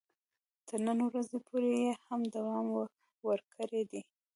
تر نن ورځې پورې یې هم دوام ورکړی دی.